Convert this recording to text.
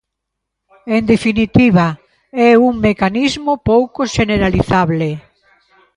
En definitiva, é un mecanismo pouco xeneralizable.